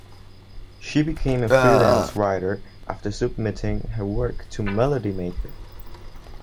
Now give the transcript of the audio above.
She became a freelance writer after submitting her work to "Melody Maker".